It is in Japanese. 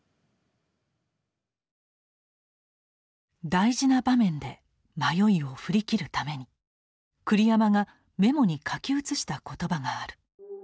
大事な場面で迷いを振り切るために栗山がメモに書き写した言葉がある。